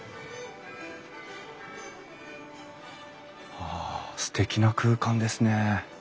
わあすてきな空間ですね。